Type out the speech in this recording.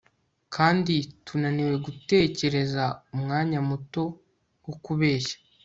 Kandi tunaniwe gutekereza umwanya muto wo kubeshya